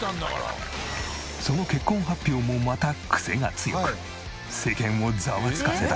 その結婚発表もまたクセが強く世間をざわつかせた。